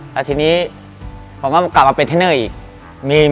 แล้วทีนี้ผมก็กลับมาเป็นเทนเนอร์อีก